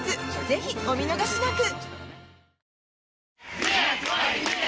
ぜひお見逃しなく！